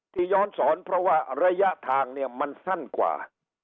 ย้อนสอนเพราะว่าระยะทางเนี่ยมันสั้นกว่า